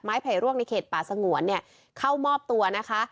ไผ่ร่วงในเขตป่าสงวนเนี่ยเข้ามอบตัวนะคะ